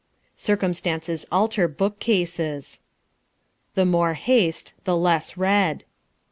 Circumstances alter bookcases. The more haste the less read.